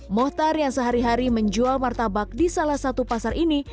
mohtar yang sehari hari menjual martabak di salah satu pasar ini